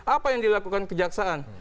apa yang dilakukan kejaksaan